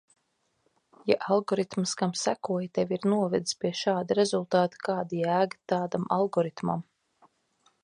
Ja algoritms, kam sekoji, tevi ir novedis pie šāda rezultāta, kāda jēga tādam algoritmam?